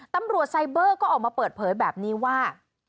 ไซเบอร์ก็ออกมาเปิดเผยแบบนี้ว่า